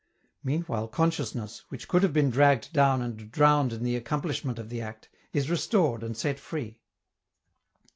Meanwhile consciousness, which would have been dragged down and drowned in the accomplishment of the act, is restored and set free.